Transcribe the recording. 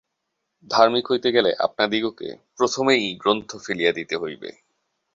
ধার্মিক হইতে গেলে আপনাদিগকে প্রথমেই গ্রন্থ ফেলিয়া দিতে হইবে।